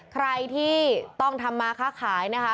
ใครที่ต้องทำมาค้าขายนะคะ